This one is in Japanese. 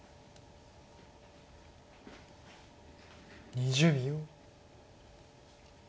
２０秒。